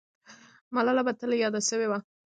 ملاله به تل یاده سوې وه.